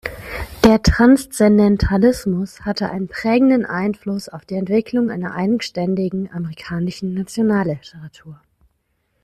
Der Transzendentalismus hatte einen prägenden Einfluss auf die Entwicklung einer eigenständigen amerikanischen Nationalliteratur.